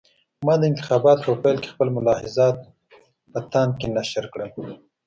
ما د انتخاباتو په پیل کې خپل ملاحضات په تاند کې نشر کړل.